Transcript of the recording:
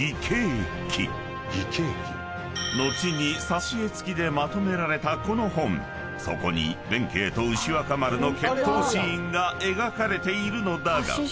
［後に挿絵付きでまとめられたこの本そこに弁慶と牛若丸の決闘シーンが描かれているのだが］